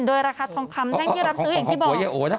โดยราคาทองคำแท่งที่รับซื้ออย่างที่บอก